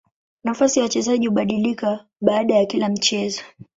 Nafasi ya wachezaji hubadilika baada ya kila mchezo.